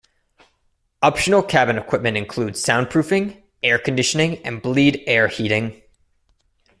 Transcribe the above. Optional cabin equipment includes soundproofing, air conditioning, and bleed air heating.